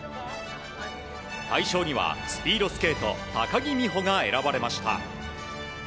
大賞にはスピードスケート高木美帆が選ばれました。